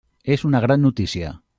És una gran notícia.